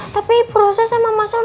tapi proses sama masalah